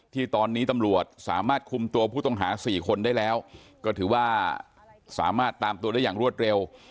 ที่ตอนนี้ตำรวจสามารถคุมตัวผู้ต้องหา๔คนได้แล้วก็ถือว่าสามารถตามตัวได้อย่างรวดเร็ว